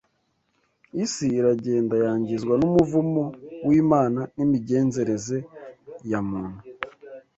Isi iragenda yangizwa n’umuvumo w’Imana nimigenzereze yamuntu